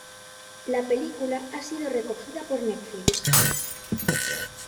La película ha sido recogida por Netflix.